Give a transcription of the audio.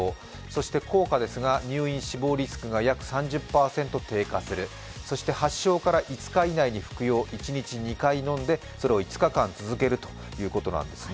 そして効果ですが入院死亡リスクが約３０％低下する、そして発症から５日以内に服用一日２回飲んで、それを５日間続けるということなんです。